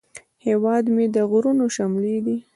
هیواد مې د غرونو شملې دي